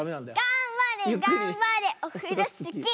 がんばれがんばれオフロスキー！